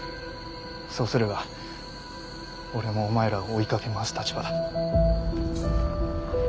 そうすれば俺もお前らを追いかけ回す立場だ。